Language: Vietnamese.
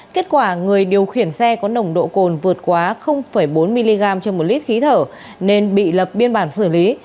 kết quả người điều khiển xe có nồng độ cồn vượt quá bốn mg trên một lít khí thở nên bị lập biên bản xử lý